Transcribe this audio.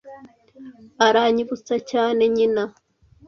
Aranyibutsa cyane nyina.